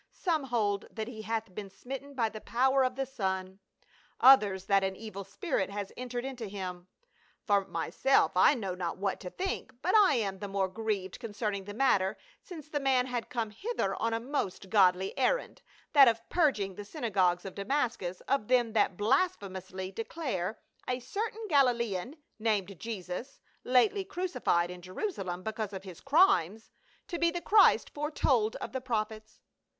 Some hold that he hath been smitten by the power of the sun, others that an evil spirit has entered into him ; for myself I know not what to think, but I am the more grieved concern ing the matter, since the man had come hither on a most godly errand, that of purging the synagogues of Damascus of them that blasphemously declare a cer tain Galilean, named Jesus — lately crucified in Jeru salem because of his crimes — ^to be the Christ foretold of the Prophets."